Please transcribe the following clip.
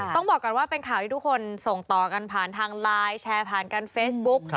ต้องบอกก่อนว่าเป็นข่าวที่ทุกคนส่งต่อกันผ่านทางไลน์แชร์ผ่านกันเฟซบุ๊ก